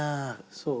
そう。